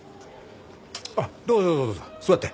どうぞどうぞどうぞ座って。